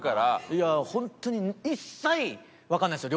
いやあ本当に一切わかんないんですよ